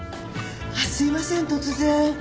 すいません突然。